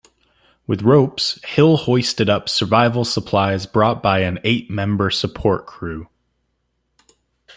With ropes, Hill hoisted up survival supplies brought by an eight-member support crew.